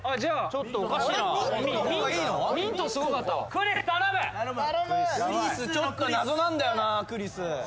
・ちょっと謎なんだよなクリス。